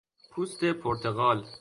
پوست پرتقال